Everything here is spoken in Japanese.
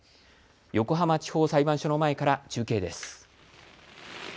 横浜地方裁判所の前から中継です。